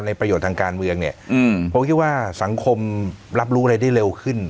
ประโยชน์ทางการเมืองเนี่ยผมคิดว่าสังคมรับรู้อะไรได้เร็วขึ้น